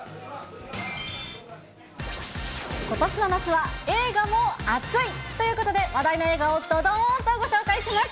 ことしの夏は映画もアツいということで、話題の映画をどどーんとご紹介します。